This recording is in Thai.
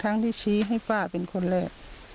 ที่ชี้ให้ป้าเป็นคนแรก